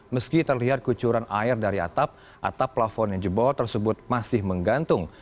meski terlihat kucuran air dari atap atap plafon yang jebol tersebut masih menggantung